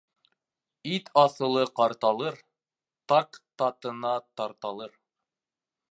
Ит аҫылы ҡарталыр, таг татына тарталыр.